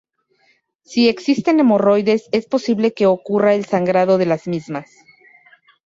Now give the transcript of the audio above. Si existen hemorroides, es posible que ocurra el sangrado de las mismas.